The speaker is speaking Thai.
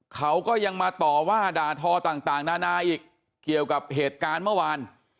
เขาก็ยังมาต่อว่าด่าทอต่างนานาอีกเกี่ยวกับเหตุการณ์เมื่อวาน